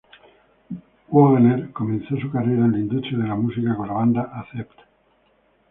Wagener comenzó su carrera en la industria de la música con la banda Accept.